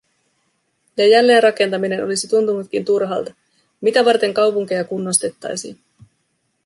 Ja jälleenrakentaminen olisi tuntunutkin turhalta… Mitä varten kaupunkeja kunnostettaisiin?